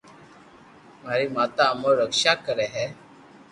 ماري ماتا اموري رڪݾہ ڪري ھي